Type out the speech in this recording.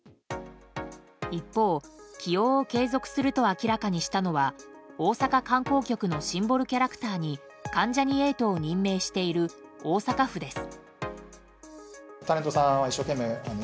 一方、起用を継続すると明らかにしたのは大阪観光局のシンボルキャラクターに関ジャニ∞を任命している大阪府です。